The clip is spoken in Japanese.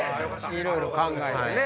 いろいろ考えてね。